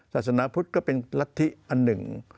ศาสนาพุทธก็เป็นรัฐธิอันหนึ่ง